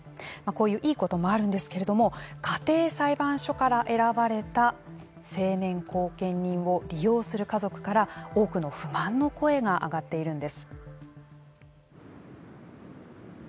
こういういいこともあるんですけれども家庭裁判所から選ばれた成年後見人を利用する家族から多くの不満の声が上がっているんです。